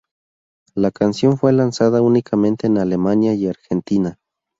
La canción fue lanzada únicamente en Alemania y Argentina.